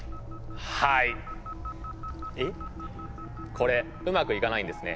これうまくいかないんですね。